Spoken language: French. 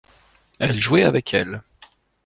Elle jouait avec elle.